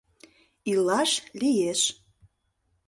ИЛАШ ЛИЕШ